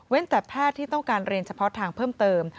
แต่แพทย์ที่ต้องการเรียนเฉพาะทางเพิ่มเติม